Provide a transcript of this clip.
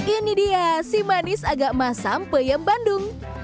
ini dia si manis agak emasam peyem bandung